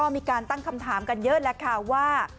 มีการตั้งคำถามกันเยอะแล้วค่ะว่า